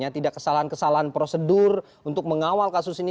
tidak kesalahan kesalahan prosedur untuk mengawal kasus ini